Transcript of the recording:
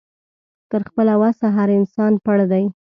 تر خپله وسه هر انسان پړ دی